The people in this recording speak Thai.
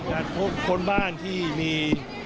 พบคนบ้านที่มี